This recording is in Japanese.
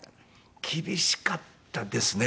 厳しかったですね。